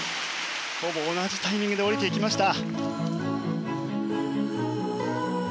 ほぼ同じタイミングで降りていきました。